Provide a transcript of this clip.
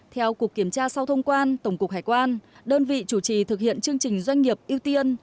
theo cục kiểm tra sau thông quan tổng cục hải quan đơn vị chủ trì thực hiện chương trình doanh nghiệp ưu tiên